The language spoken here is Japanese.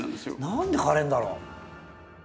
何で枯れんだろう？